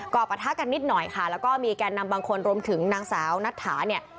ก็ปะทะกันนิดหน่อยค่ะแล้วก็มีแก่นำบางคนรวมถึงนางสาวนัทถาเนี่ย